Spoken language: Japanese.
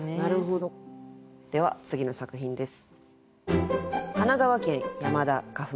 では次の作品です。